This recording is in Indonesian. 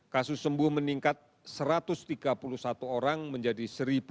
kasus sembuh meningkat satu ratus tiga puluh satu orang menjadi satu lima ratus dua puluh dua